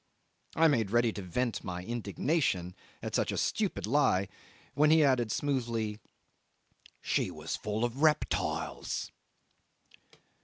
I made ready to vent my indignation at such a stupid lie, when he added smoothly, "She was full of reptiles."